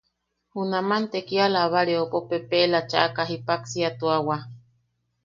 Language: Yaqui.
Junaman te kia labareopo pepeʼela chaʼaka, jippaksiatuawa.